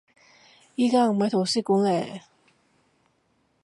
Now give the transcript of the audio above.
而家我唔喺圖書館嘞